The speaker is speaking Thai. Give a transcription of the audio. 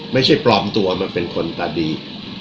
ไม่ใช่ปลอมตัวมาเป็นคนตาดี